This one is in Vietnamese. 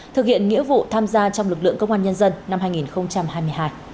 thực hiện nghĩa vụ tham gia trong lực lượng công an nhân dân năm hai nghìn hai mươi hai